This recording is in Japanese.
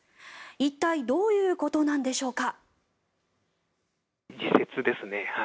一体どういうことなんでしょうか。